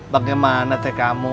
bagaimana teh kamu